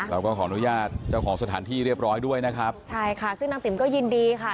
เราก็ขออนุญาตเจ้าของสถานที่เรียบร้อยด้วยนะครับใช่ค่ะซึ่งนางติ๋มก็ยินดีค่ะ